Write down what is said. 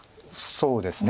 そうですね。